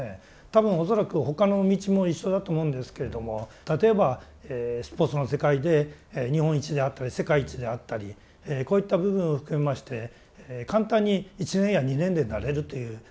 多分恐らく他の道も一緒だと思うんですけれども例えばスポーツの世界で日本一であったり世界一であったりこういった部分を含めまして簡単に１年や２年でなれるというわけではない。